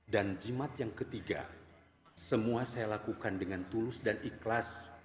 dan cimat yang ketiga semua saya lakukan dengan tulus dan ikhlas